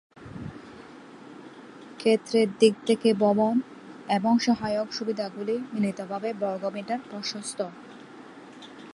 ক্ষেত্রের দিক থেকে, ভবন এবং সহায়ক সুবিধাগুলি মিলিতভাবে বর্গমিটার প্রশস্ত।